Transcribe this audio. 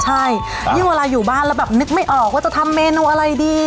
ใช่ยิ่งเวลาอยู่บ้านแล้วแบบนึกไม่ออกว่าจะทำเมนูอะไรดี